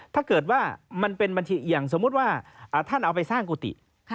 ถ้าเกิดว่ามันเป็นบัญชีอย่างสมมุติว่าท่านเอาไปสร้างกุฏิ